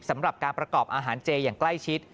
สำหรับการประกอบอาหารเจอย่างใกล้ชิด